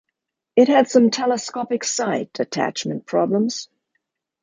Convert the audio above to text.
It has some telescopic sight attachment problems.